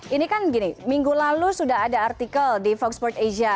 ini kan gini minggu lalu sudah ada artikel di voxport asia